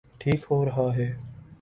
ٹھیک ہو رہا ہے۔